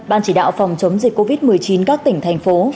ban chỉ đạo phòng chống dịch covid một mươi chín các tỉnh thành phố